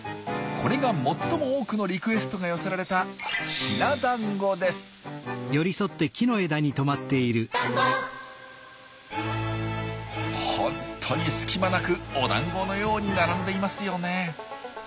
これが最も多くのリクエストが寄せられたホントに隙間なくお団子のように並んでいますよね。